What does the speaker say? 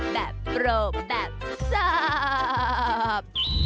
แบบกรบแบบแซ่บ